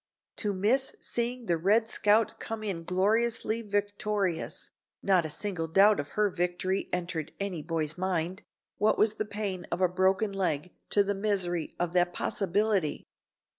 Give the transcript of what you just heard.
To miss seeing the "Red Scout" come in gloriously victorious (not a single doubt of her victory entered any boy's mind), what was the pain of a broken leg to the misery of that possibility!